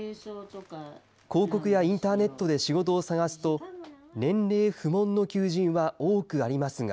広告やインターネットで仕事を探すと、年齢不問の求人は多くありますが。